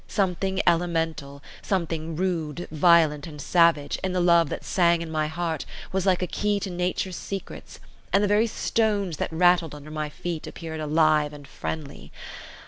Something elemental, something rude, violent, and savage, in the love that sang in my heart, was like a key to nature's secrets; and the very stones that rattled under my feet appeared alive and friendly.